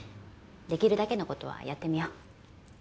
できるだけのことはやってみよう。